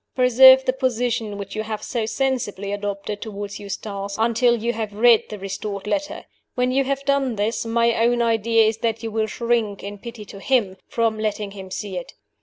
Preserve the position which you have so sensibly adopted toward Eustace until you have read the restored letter. When you have done this, my own idea is that you will shrink, in pity to him, from letting him see it.